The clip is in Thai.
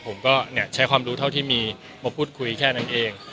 ผมก็ใช้ความรู้เท่าที่มีมาพูดคุยแค่นั้นเอง